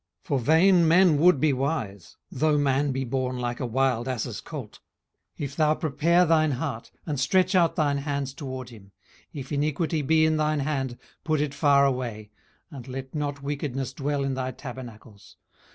18:011:012 For vain men would be wise, though man be born like a wild ass's colt. 18:011:013 If thou prepare thine heart, and stretch out thine hands toward him; 18:011:014 If iniquity be in thine hand, put it far away, and let not wickedness dwell in thy tabernacles.